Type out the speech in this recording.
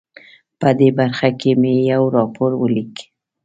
په دې برخه کې مې یو راپور ولیک.